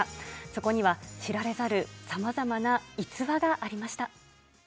そこには、知られざるさまざまな逸話がありました。